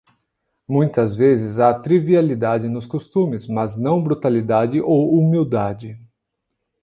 Muitas vezes há trivialidade nos costumes, mas não brutalidade ou humildade.